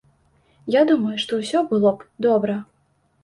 Я думаю, што ўсё было б добра.